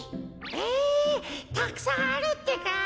えたくさんあるってか。